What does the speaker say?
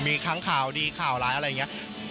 มีทั้งข่าวดีข่าวร้ายอะไรอย่างนี้